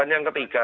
dan yang ketiga